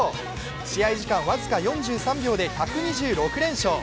試合時間僅か４３秒で１２４連勝。